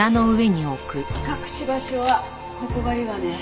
隠し場所はここがいいわね。